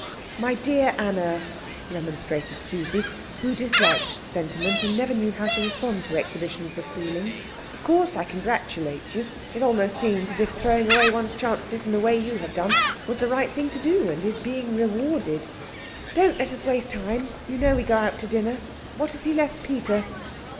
"My dear Anna," remonstrated Susie, who disliked sentiment and never knew how to respond to exhibitions of feeling. "Of course I congratulate you. It almost seems as if throwing away one's chances in the way you have done was the right thing to do, and is being rewarded. Don't let us waste time. You know we go out to dinner. What has he left Peter?"